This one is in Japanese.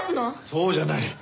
そうじゃない。